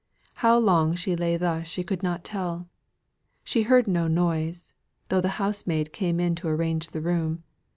How long she lay thus she could not tell. She heard no noise, though the housemaid came in to arrange the room.